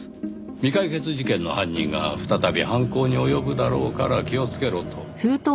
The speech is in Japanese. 未解決事件の犯人が再び犯行に及ぶだろうから気をつけろと。